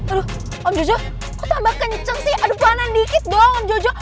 aduh om jojo kok tambah kenceng sih aduh panen dikit dong om jojo